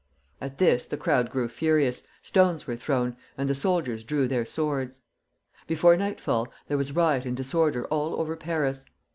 At this the crowd grew furious, stones were thrown, and the soldiers drew their swords. Before nightfall there was riot and disorder all over Paris.